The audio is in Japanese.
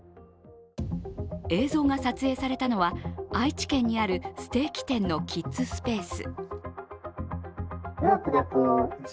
映像が撮影されたのは、愛知県にあるステーキ店のキッズスペース。